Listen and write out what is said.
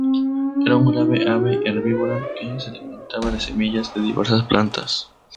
Era un gran ave herbívora, que se alimentaba de semillas de diversas plantas.